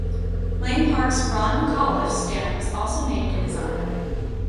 Lang Park's Ron McAuliffe stand was also named in his honour.